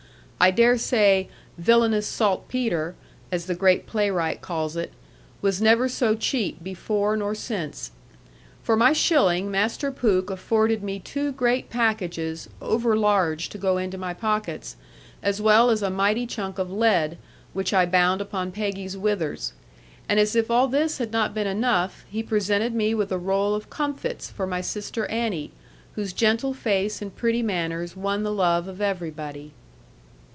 I dare say 'villainous saltpetre,' as the great playwright calls it, was never so cheap before nor since. For my shilling Master Pooke afforded me two great packages over large to go into my pockets, as well as a mighty chunk of lead, which I bound upon Peggy's withers. And as if all this had not been enough, he presented me with a roll of comfits for my sister Annie, whose gentle face and pretty manners won the love of everybody.